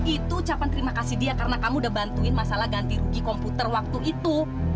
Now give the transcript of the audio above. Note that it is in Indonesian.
itu ucapan terima kasih dia karena kamu udah bantuin masalah ganti rugi komputer waktu itu